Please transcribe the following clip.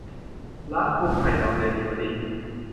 ร้านปูไข่ดองเดลิเวอรี่